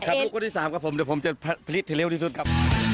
ครับลูกก็ที่๓ครับผมเดี๋ยวผมจะพลิกที่เร็วที่สุดครับ